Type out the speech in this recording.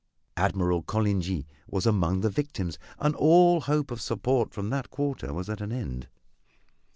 Admiral Coligny was among the victims, and all hope of support from that quarter was at an end.